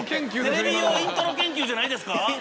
テレビ用イントロ研究じゃないですか？